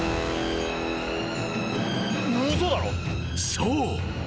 ［そう。